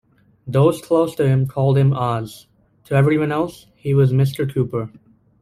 Those close to him called him "Oz," to everyone else, he was "Mister Cooper.